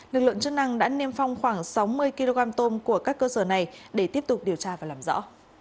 lực lượng chức năng đã niêm phong khoảng sáu mươi kg tôm của các cơ sở này để tiếp tục điều tra và làm rõ